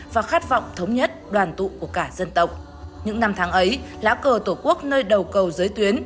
và khát vọng thống nhất đoàn tụ của cả dân tộc những năm tháng ấy lá cờ tổ quốc nơi đầu cầu giới tuyến